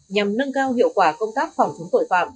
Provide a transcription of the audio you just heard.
nhằm nâng cao hiệu quả công tác phòng chống tội phạm